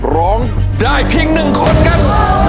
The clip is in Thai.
ร้องได้เพียง๑คนครับ